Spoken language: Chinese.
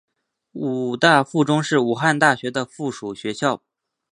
武大附中是武汉大学的附属学校。